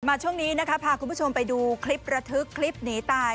ช่วงนี้นะคะพาคุณผู้ชมไปดูคลิประทึกคลิปหนีตาย